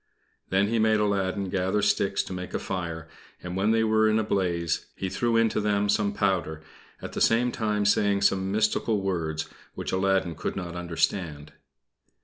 Then he made Aladdin gather sticks to make a fire, and when they were in a blaze he threw into them some powder, at the same time saying some mystical words, which Aladdin could not understand.